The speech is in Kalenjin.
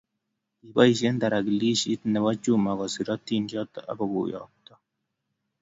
Kiboisie tarakilishit ne bo Juma koser atindon akuyookto